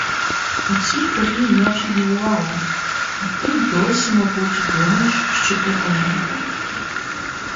О цій порі я вже дівувала, а ти досі, мабуть, думаєш, що ти маленька?